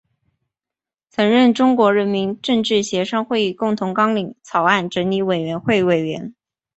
曾任中国人民政治协商会议共同纲领草案整理委员会委员。